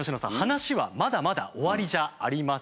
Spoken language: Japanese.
話はまだまだ終わりじゃありません。